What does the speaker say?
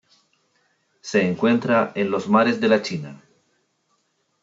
Se encuentra en los mares de la China.